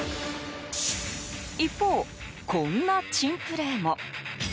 一方、こんな珍プレーも。